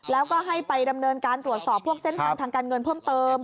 แล้วก็ให้ไปดำเนินการตรวจสอบพวกเส้นทางทางการเงินเพิ่มเติม